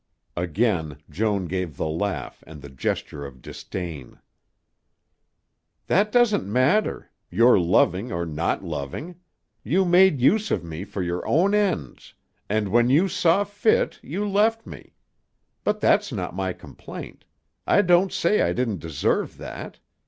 Again Joan gave the laugh and the gesture of disdain. "That doesn't matter ... your loving or not loving. You made use of me for your own ends, and when you saw fit, you left me. But that's not my complaint. I don't say I didn't deserve that.